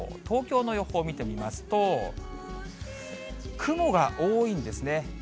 東京の予報を見てみますと、雲が多いんですね。